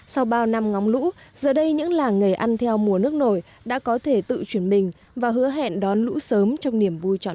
sau bao năm ngóng lũ giờ đây những làng nghề ăn theo mùa nước nổi đã có thể tự chuyển mình và hứa hẹn đón lũ sớm trong niềm vui trọn